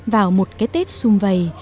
vào một cái tết xung vầy